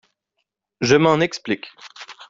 Je m’en explique.